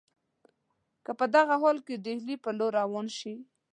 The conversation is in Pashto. که په دغه حال کې ډهلي پر لور روان شي.